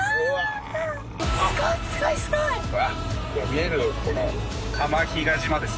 見えるこの浜比嘉島です。